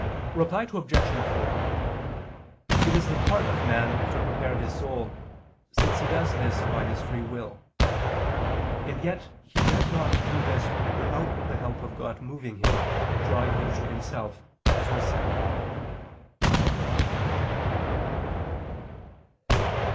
Reply Obj. 4: It is the part of man to prepare his soul, since he does this by his free will. And yet he does not do this without the help of God moving him, and drawing him to Himself, as was said above.